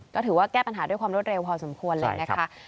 ก็ถือว่าแก้ปัญหาด้วยความรวดเร็วพอสมควรเลยนะคะ